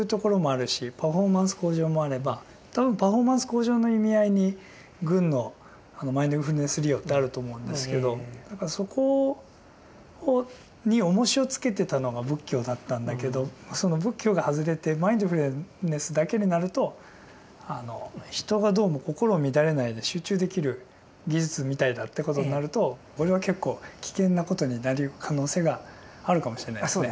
パフォーマンス向上もあれば多分パフォーマンス向上の意味合いに軍のマインドフルネス利用ってあると思うんですけどだからそこにおもしをつけてたのが仏教だったんだけどその仏教が外れてマインドフルネスだけになると人がどうも心を乱れないで集中できる技術みたいだってことになるとこれは結構危険なことになりうる可能性があるかもしれないですね。